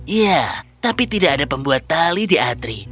iya tapi tidak ada pembuat tali di atri